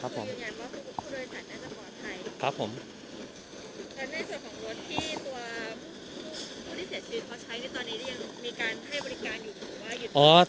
ครับผมและในส่วนของรถที่ตัวตัวที่เสียชีวิตเขาใช้ที่ตอนนี้ยังมีการให้บริการอยู่หรือว่า